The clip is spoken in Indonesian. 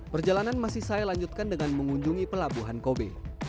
perjalanan masih saya lanjutkan dengan mengunjungi pelabuhan kobe